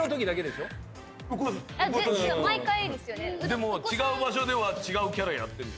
でも違う場所では違うキャラやってる。